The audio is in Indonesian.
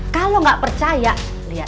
kalau gak percaya liat